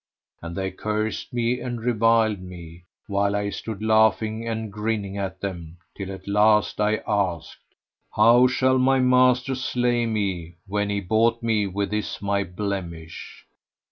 And they cursed me and reviled me, while I stood laughing and grinning at them, till at last I asked, "How shall my master slay me when he bought me with this my blemish?"